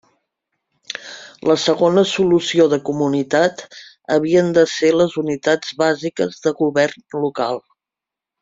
La segona solució de comunitat havien de ser les unitats bàsiques de govern local.